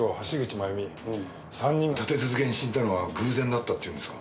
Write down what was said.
３人立て続けに死んだのは偶然だったっていうんですか？